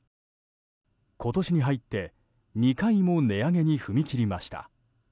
今年に入って２回も値上げに踏み切りました。